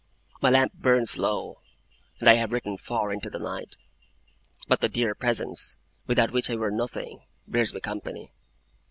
My lamp burns low, and I have written far into the night; but the dear presence, without which I were nothing, bears me company.